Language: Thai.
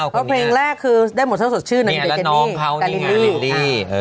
เพราะเพลงแรกคือได้หมดเท่าสดชื่นนั้นเป็นเจนนี่กับลิลลี่